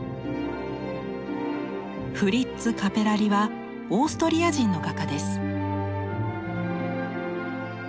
フリッツ・カペラリはオーストリア人の画家です。